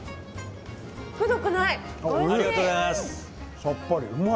くどくない。